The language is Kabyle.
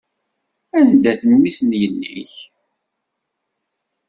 Anda-t mmi-s n yelli-k?